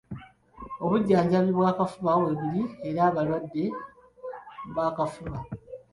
Obujjanjabi bw'akafuba weebuli eri abalwadde b'akafuba.